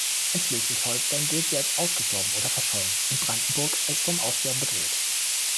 In Schleswig-Holstein gilt sie als "ausgestorben oder verschollen", in Brandenburg als "vom Aussterben bedroht".